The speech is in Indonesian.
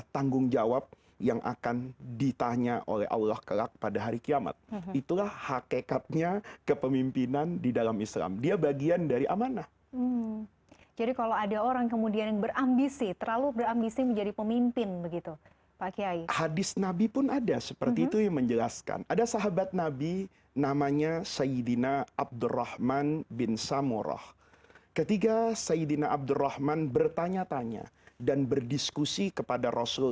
tidak bisa tidur